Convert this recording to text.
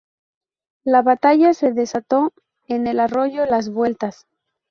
La batalla se desató en el Arroyo las Vueltas.